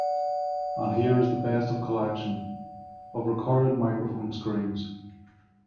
And here is a best of collection of recorded microphone screams.